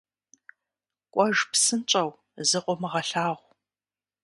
- КӀуэж, псынщӀэу, закъыумыгъэлъагъу!